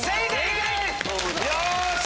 よし！